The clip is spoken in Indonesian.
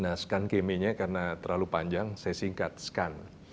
nah skankemi nya karena terlalu panjang saya singkat skan